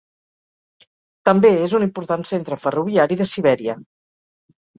També és un important centre ferroviari de Sibèria.